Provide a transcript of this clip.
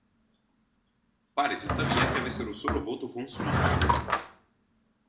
Pare tuttavia che avessero solo voto consultivo.